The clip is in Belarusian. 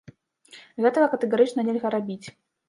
Гэтага катэгарычна нельга рабіць.